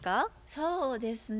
そうですね